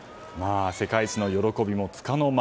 世界一の喜びもつかの間。